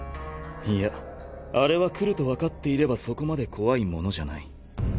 いやあれは来ると分かっていればそこまで怖いものじゃない。